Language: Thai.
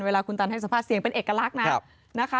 เวลาคุณตันให้สัมภาษณ์เสียงเป็นเอกลักษณ์นะนะคะ